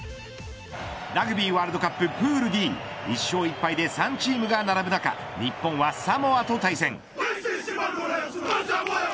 ラグビーワールドカッププールＤ１勝１敗で３チームが並ぶ中日本はサモアと対戦。